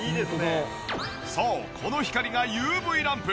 そうこの光がＵＶランプ。